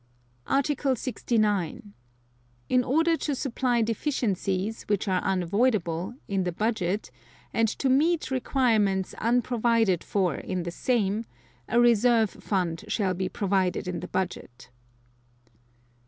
Article 69. In order to supply deficiencies, which are unavoidable, in the Budget, and to meet requirements unprovided for in the same, a Reserve Fund shall be provided in the Budget.